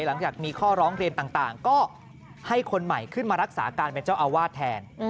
หลังจากมีข้อร้องเรียนต่างก็ให้คนใหม่ขึ้นมารักษาการเป็นเจ้าอาวาสแทน